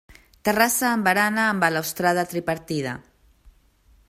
Terrassa amb barana amb balustrada tripartida.